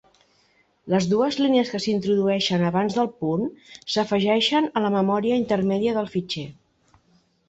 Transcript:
Les dues línies que s'introdueixen abans del punt s'afegeixen a la memòria intermèdia del fitxer.